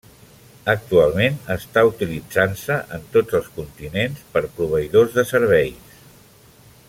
Actualment està utilitzant-se en tots els continents per proveïdors de serveis.